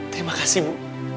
terima kasih bu